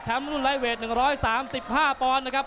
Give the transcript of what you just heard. แชมป์รุ่นไรเวท๑๓๕ปอนด์นะครับ